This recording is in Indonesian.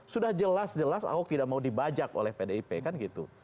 sudah jelas jelas ahok tidak mau dibajak oleh pdip kan gitu